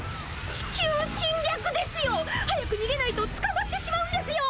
地球しんりゃくですよ！早くにげないとつかまってしまうんですよ。